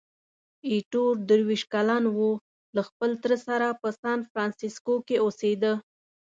ایټور درویشت کلن وو، له خپل تره سره په سانفرانسیسکو کې اوسېده.